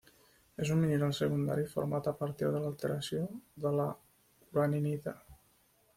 És un mineral secundari format a partir de l'alteració de la uraninita.